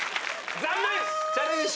残念。